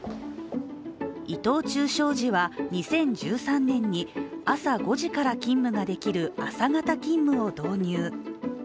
伊藤忠商事は２０１３年に朝５時から勤務が出来る朝型勤務を導入。